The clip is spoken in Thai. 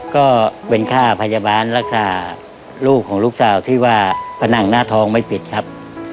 ก็เป็นค่าพยาบาลรักษาลูกของลูกสาวที่ว่าผนังหน้าทองไม่ปิดครับ